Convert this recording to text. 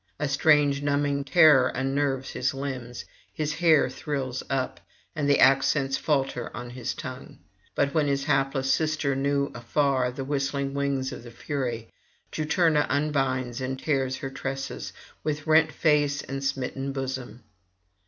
A strange numbing terror unnerves his limbs, his hair thrills up, and the accents falter on his tongue. But when his hapless sister knew afar the whistling wings of the Fury, Juturna unbinds and tears her tresses, with rent face and smitten bosom.